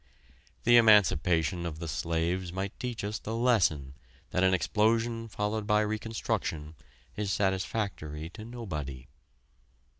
The emancipation of the slaves might teach us the lesson that an explosion followed by reconstruction is satisfactory to nobody.